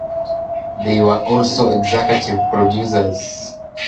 They were also the Executive Producers.